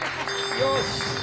よし！